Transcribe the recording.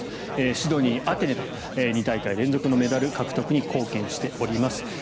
シドニー、アテネと２大会連続のメダル獲得に貢献しています。